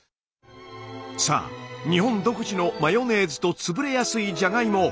さあ日本独自のマヨネーズと潰れやすいじゃがいも